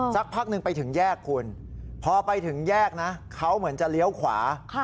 สักพักหนึ่งไปถึงแยกคุณพอไปถึงแยกนะเขาเหมือนจะเลี้ยวขวา